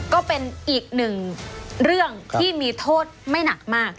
ก็เป็นอีกหนึ่งเรื่องที่มีโทษไม่หนักมาก